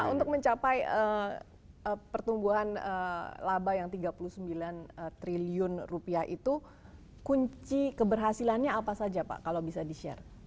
untuk mencapai pertumbuhan laba yang tiga puluh sembilan triliun rupiah itu kunci keberhasilannya apa saja pak kalau bisa di share